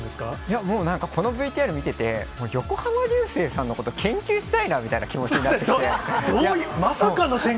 もうなんか、このＶＴＲ見てて、横浜流星さんのこと、研究したいなみたいな気持ちになってきどういう、まさかの展開。